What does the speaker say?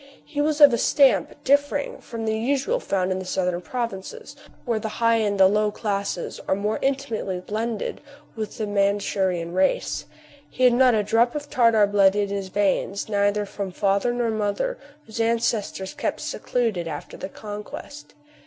He was of a stamp differing from that usually found in the southern provinces, where the high and low classes are more intimately blended with the Mandshurian race : he had not a drop of Tartar blood in his veins, neither from father nor mother, whose ancestors kept secluded after the conquest.